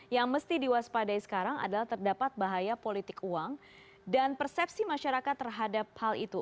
yang mesti diwaspadai sekarang adalah terdapat bahaya politik uang dan persepsi masyarakat terhadap hal itu